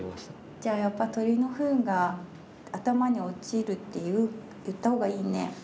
じゃあやっぱ鳥のふんが頭に落ちるって言った方がいいね。